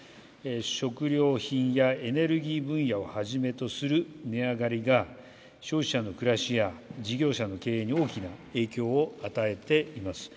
食料品やエネルギー分野をはじめとする値上がりが消費者の暮らしや事業者に大きな影響を与えています。